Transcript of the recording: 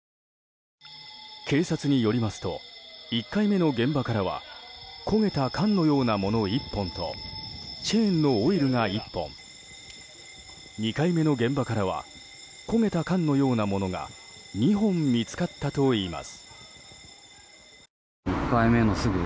警察によりますと１回目の現場からは焦げた缶のようなもの１本とチェーンのオイルが１本２回目の現場からは焦げた缶のようなものが２本、見つかったといいます。